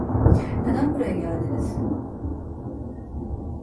Neden buraya geldiniz?